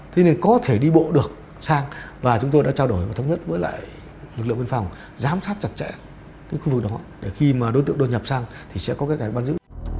thế nên có thể đi bộ được sang và chúng tôi đã trao đổi và thống nhất với lại lực lượng biên phòng giám sát chặt chẽ cái khu vực đó để khi mà đối tượng đột nhập sang thì sẽ có cái ngày bắt giữ